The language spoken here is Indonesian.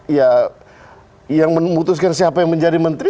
ya yang memutuskan siapa yang menjadi menteri